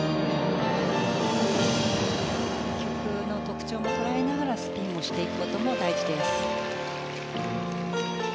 曲の特徴も捉えながらスピンをしていくことも大事。